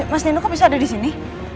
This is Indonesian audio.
mas nino kok bisa ada disini